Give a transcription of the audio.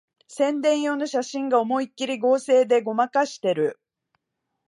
宣伝用の写真が思いっきり合成でごまかしてる